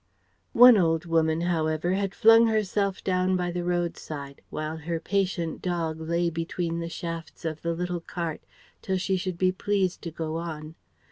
One old woman, however, had flung herself down by the roadside, while her patient dog lay between the shafts of the little cart till she should be pleased to go on.